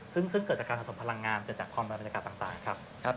ซึ่งเกิดจากการผสมพลังงานเกิดจากความดันบรรยากาศต่างครับ